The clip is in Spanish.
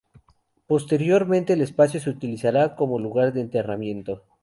Posteriormente el espacio se utilizará como lugar de enterramiento.